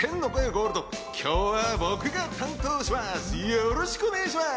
ゴールド、今日は僕が担当します！